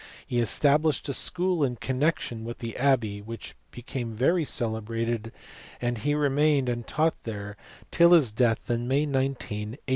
He estab lished a school in connection with the abbey which became very celebrated, and he remained and taught there till his death on May 19, 804.